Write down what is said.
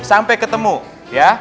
sampai ketemu ya